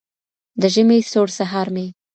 د ژمي سوړ سهار مي